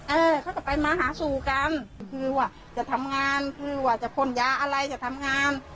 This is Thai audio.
เออเขาก็ไปมาหาสู่กันคือว่าจะทำงานคือว่าจะพ่นยาอะไรจะทำงาน